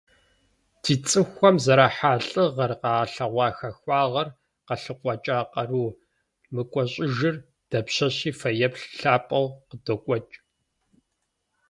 Ди цӀыхухэм зэрахьа лӀыгъэр, къагъэлъэгъуа хахуагъэр, къалъыкъуэкӀа къару мыкӀуэщӀыжыр дапщэщи фэеплъ лъапӀэу къыддокӀуэкӀ.